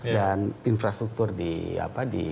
dan infrastruktur di apa di terminalnya